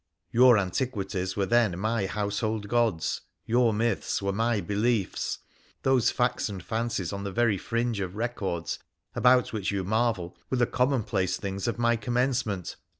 Your antiquities were then my household gods, your myths were my beliefs ; those facts and fancies on the very fringe of records about which you marvel were the commonplace things of my commencement.